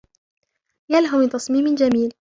يا له من تصميمٍ جميل!